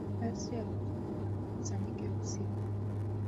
na kuna masharti ya kutoka na mikusanyiko ya usiku